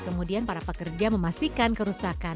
kemudian para pekerja memastikan kerusakan